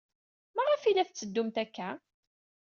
Maɣef ay la tetteddumt akka?